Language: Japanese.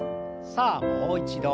さあもう一度。